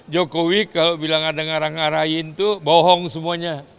jokowi kalau bilang ada ngarah ngarahin tuh bohong semuanya